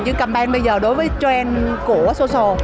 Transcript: chứ campaign bây giờ đối với trend của social